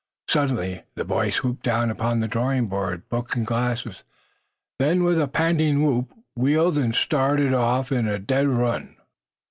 Suddenly the boy swooped down upon drawing board, book and glasses, then, with a panting whoop, wheeled and started off on a dead run.